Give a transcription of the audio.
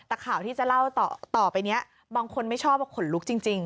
แต่ข่าวที่จะเล่าต่อไปนี้บางคนไม่ชอบว่าขนลุกจริง